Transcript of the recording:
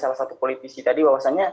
salah satu politisi tadi bahwasannya